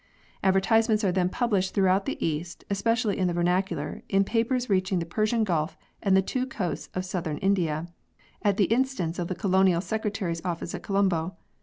Advertisements are then published throughout the East, especially in the vernacular, in papers reaching the Persian Gulf and the two coasts of Southern India, at the instance of the Colonial Secretary's office at Colombo.